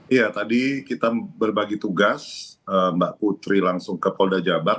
iya tadi kita berbagi tugas mbak putri langsung ke polda jabar